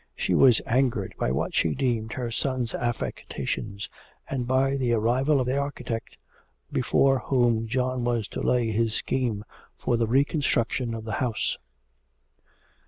She was angered by what she deemed her son's affectations, and by the arrival of the architect before whom John was to lay his scheme for the reconstruction of the house.